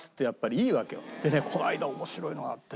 でねこの間面白いのがあって。